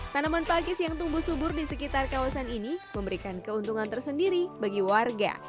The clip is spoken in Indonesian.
tanaman pakis yang tumbuh subur di sekitar kawasan ini memberikan keuntungan tersendiri bagi warga